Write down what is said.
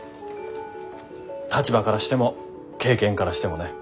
立場からしても経験からしてもね。